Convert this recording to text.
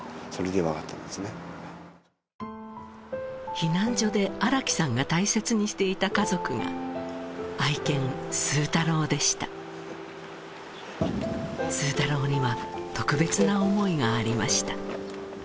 避難所で荒木さんが大切にしていた家族が愛犬スー太郎でしたスー太郎には特別な思いがありました